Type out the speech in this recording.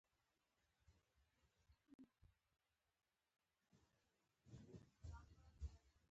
وسله د شعور خلاف ده